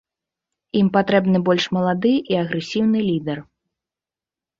Ім патрэбны больш малады і агрэсіўны лідар.